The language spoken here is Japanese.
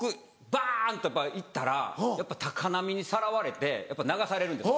バンとか行ったらやっぱ高波にさらわれて流されるんです。